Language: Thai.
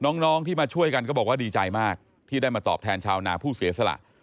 น้องที่มาช่วยกันก็บอกว่าดีใจมากที่ได้มาตอบแทนชาวนาผู้เสียสละ